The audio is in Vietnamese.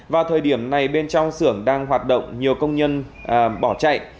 vào thời điểm này bên trong xưởng đang hoạt động nhiều công nhân bỏ chạy